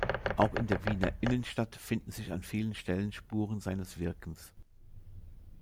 Auch in der Wiener Innenstadt finden sich an vielen Stellen Spuren seines Wirkens.